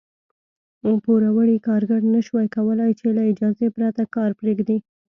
پوروړي کارګر نه شوای کولای چې له اجازې پرته کار پرېږدي.